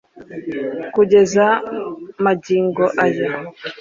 kugeza magingo aya